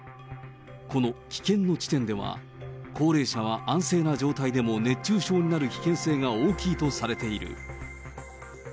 この危険の地点では、高齢者は安静な状態でも、熱中症になる危険性が大きいとされている。